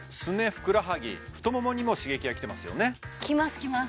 ふくらはぎ太ももにも刺激がきてますよねきますきます